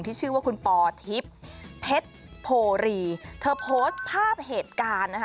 ชื่อว่าคุณปอทิพย์เพชรโพรีเธอโพสต์ภาพเหตุการณ์นะคะ